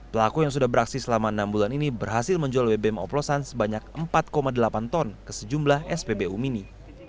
pelaku yang sudah beraksi selama enam bulan ini berhasil menjual bbm oplosan sebanyak empat delapan ton ke sejumlah spbu mini